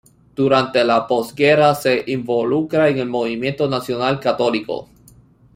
Durante la posguerra, se involucra en el movimiento nacional-católico.